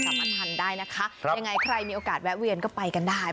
มาทานได้นะคะยังไงใครมีโอกาสแวะเวียนก็ไปกันได้